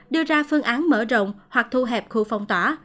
đưa ra phương án mở rộng hoặc thu hẹp khu phong tỏa